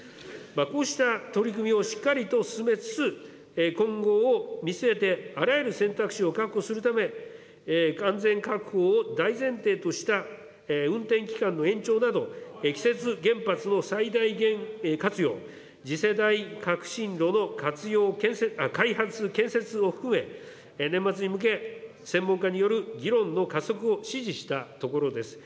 こうした取り組みをしっかりと進めつつ、今後を見据えてあらゆる選択肢を確保するため、安全確保を大前提とした運転期間の延長など、既設原発の最大限活用、次世代革新炉の開発、建設を含め、年末に向け、専門家による議論の加速を指示したところです。